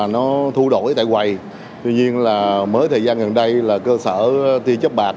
nó thu đổi tại quầy tuy nhiên là mới thời gian gần đây là cơ sở tia chất bạc